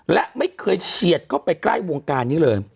และไม่เคยเฉียดเข้าไปใกล้วงการนี้เลย